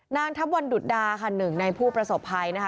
นางทัพวันดุดดาค่ะหนึ่งในผู้ประสบภัยนะคะ